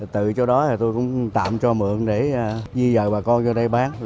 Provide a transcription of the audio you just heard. từ chỗ đó tôi cũng tạm cho mượn để di dời bà con về đây bán